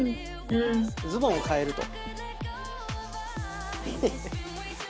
ズボンを替えると。